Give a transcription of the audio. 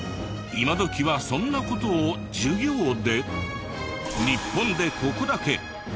今どきはそんな事を授業で？